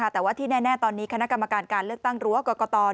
แต่ว่าที่แน่ตอนนี้คณะกรรมการการเลือกตั้งรั้วกรกต